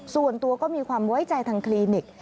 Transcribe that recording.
ส่วนตัวก็มีความไว้ใจทางคลินิก